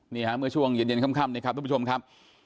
นี่ฮะเมื่อช่วงเย็นค่ำนะครับทุกผู้ชมครับ